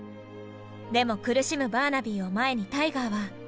でも苦しむバーナビーを前にタイガーは。